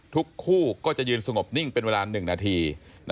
ทุกคู่ก็จะยืนสงบนิ่งเป็นเวลา๑นาที